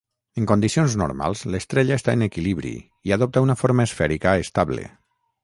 En condicions normals l'estrella està en equilibri i adopta una forma esfèrica estable.